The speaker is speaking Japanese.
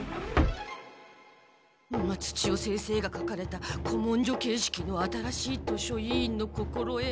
松千代先生が書かれた古文書形式の新しい図書委員の心得。